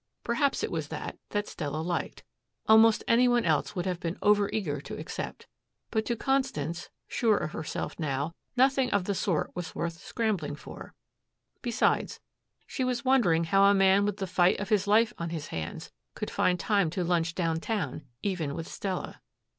Perhaps it was that that Stella liked. Almost any one else would have been overeager to accept. But to Constance, sure of herself now, nothing of the sort was worth scrambling for. Besides, she was wondering how a man with the fight of his life on his hands could find time to lunch downtown even with Stella.